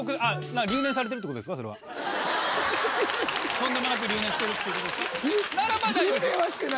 とんでもなく留年してるっていうことですか？